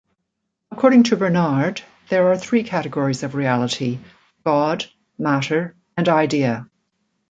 According to Bernard, there are three categories of reality: God, matter, and idea.